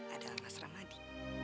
adalah mas ramadi